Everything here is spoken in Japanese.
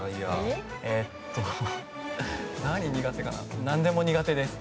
えっと、何が苦手かな何でも苦手です。